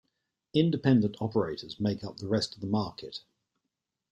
Independent operators make up the rest of the market.